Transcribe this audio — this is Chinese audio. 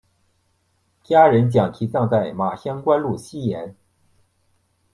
家人将其葬在马乡官路西沿。